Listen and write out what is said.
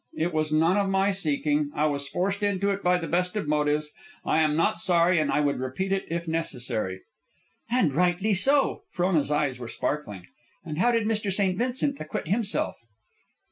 It was none of my seeking. I was forced into it by the best of motives. I am not sorry, and I would repeat it if necessary." "And rightly so." Frona's eyes were sparkling. "And how did Mr. St. Vincent acquit himself?"